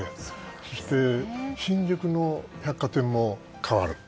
そして新宿の百貨店も変わる。